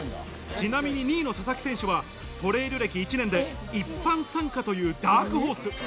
ちなみに２位の佐々木選手はトレイル歴１年で一般参加というダークホース。